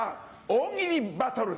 大喜利バトル。